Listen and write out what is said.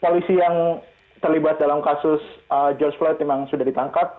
polisi yang terlibat dalam kasus george floyd memang sudah ditangkap